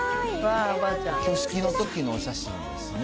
挙式のときのお写真ですね。